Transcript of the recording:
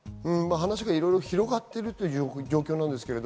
話がいろいろ広がっているという状況なんですけど。